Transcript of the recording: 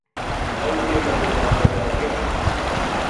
ئەو ئێمە دەدات بە دادگا.